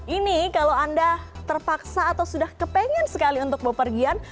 ini kalau anda terpaksa atau sudah kepengen sekali untuk bepergian